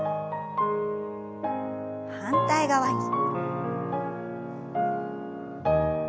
反対側に。